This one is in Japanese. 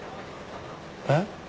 えっ？